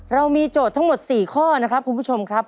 เรามีโจทย์ทั้งหมด๔ข้อนะครับคุณผู้ชมครับ